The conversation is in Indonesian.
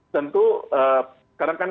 tentu karena kan